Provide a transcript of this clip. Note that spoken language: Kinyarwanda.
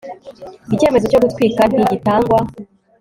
icyemezo cyo gutwika ntigitangwa